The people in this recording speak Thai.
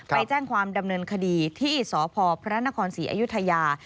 ไปแจ้งความดำเนินคดีที่สพพระนครศรีอยุธยา